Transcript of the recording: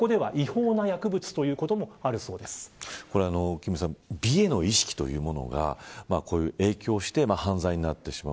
金さん美への意識というものが影響して犯罪になってしまう。